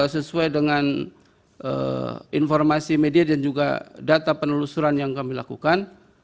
sesuai dengan informasi media dan juga data penelusuran yang kami lakukan